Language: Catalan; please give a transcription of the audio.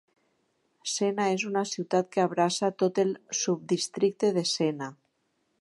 Sena és una ciutat que abraça tot el subdistricte de Sena.